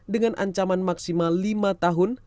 dengan ancaman maksimal lima juta rupiah